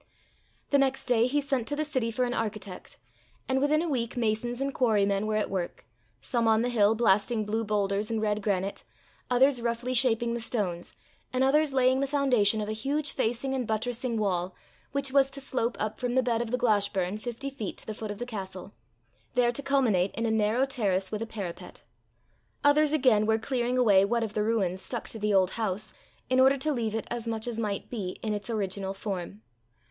The next day he sent to the city for an architect; and within a week masons and quarrymen were at work, some on the hill blasting blue boulders and red granite, others roughly shaping the stones, and others laying the foundation of a huge facing and buttressing wall, which was to slope up from the bed of the Glashburn fifty feet to the foot of the castle, there to culminate in a narrow terrace with a parapet. Others again were clearing away what of the ruins stuck to the old house, in order to leave it, as much as might be, in its original form.